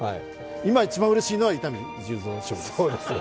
今一番うれしいのは伊丹十三賞です。